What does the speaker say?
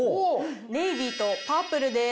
ネイビーとパープルです。